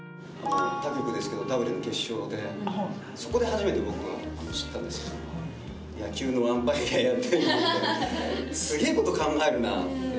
他局ですけどＷの決勝でそこで初めて僕は知ったんですけど野球のアンパイアやったりすげえこと考えるなって。